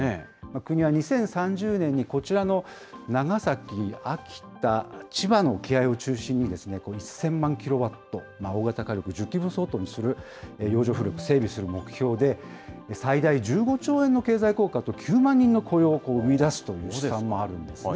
国は２０３０年にこちらの長崎、秋田、千葉の沖合を中心に、１０００万キロワット、大型火力１０基分相当にする洋上風力、整備する目標で、最大１５兆円の経済効果と、９万人の雇用を生み出すという試算もあるんですね。